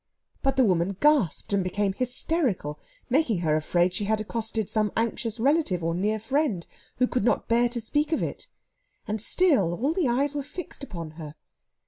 but the woman gasped, and became hysterical, making her afraid she had accosted some anxious relative or near friend, who could not bear to speak of it. And still all the eyes were fixed upon her.